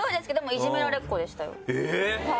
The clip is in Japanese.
いじめられる側でした。